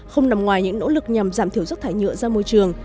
không nằm ngoài những nỗ lực nhằm giảm thiểu rác thải nhựa ra môi trường